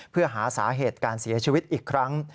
เพื่อหาสาเหตุการเสียชีวิตอีกครั้ง